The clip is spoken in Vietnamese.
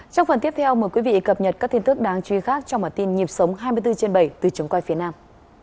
trong phần tiếp theo mời quý vị cập nhật các tin tức đáng chú ý khác trong bản tin nhịp sống hai mươi bốn trên bảy từ trường quay phía nam